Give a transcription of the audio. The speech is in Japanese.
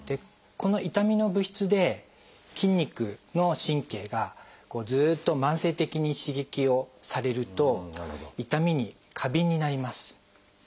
この痛みの物質で筋肉の神経がずっと慢性的に刺激をされると痛みに過敏になります。